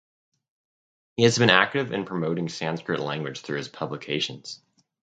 He has been active in promoting Sanskrit language through his publications.